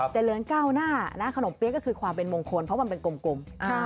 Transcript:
แต่เหลืองก้าวหน้านะขนมเปี๊ยกก็คือความเป็นมงคลเพราะมันเป็นกลม